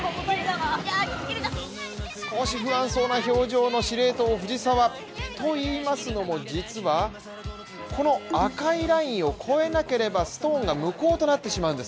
少し不安そうな表情の司令塔・藤澤といいますのも実はこの赤いラインを越えなければストーンが無効となってしまうんです。